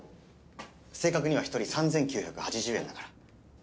正確には１人３，９８０円だから。